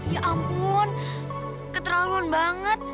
ya ampun keterlaluan banget